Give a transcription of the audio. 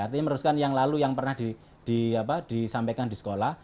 artinya meneruskan yang lalu yang pernah disampaikan di sekolah